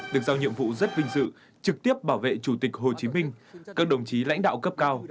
được giao nhiệm vụ rất vinh dự trực tiếp bảo vệ chủ tịch hồ chí minh các đồng chí lãnh đạo cấp cao